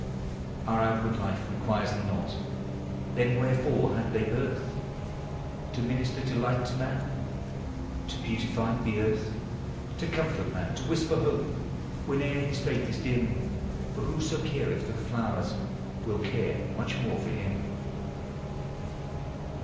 Our outward life requires them not, — Then wherefore had they birth? — To minister delighl to man, To beautify (he earth ; To comfort man,— to whisper hope, Whene'er his faith is dim. For who so eareth for the Mowers Will care much more for him!